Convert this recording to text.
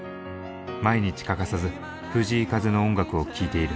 毎日欠かさず藤井風の音楽を聴いている。